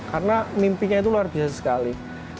karena mimpinya itu luar biasa sekali